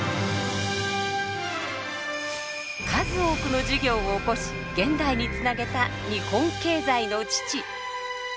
数多くの事業をおこし現代につなげた日本経済の父。